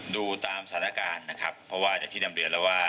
ดูตามสถานการณ์นะครับเพราะว่าอย่างที่นำเรียนแล้วว่า